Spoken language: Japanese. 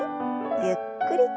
ゆっくりと。